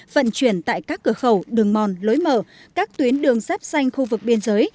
vận chuyển tại các cửa khẩu đường mòn lối mở các tuyến đường sắp xanh khu vực biên giới